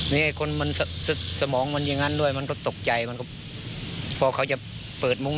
นี่คนมันสมองมันอย่างนั้นด้วยมันก็ตกใจมันก็พอเขาจะเปิดมุ้ง